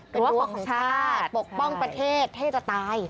เป็นว่าขอของชาติปกป้องประเทศเท่จะตาย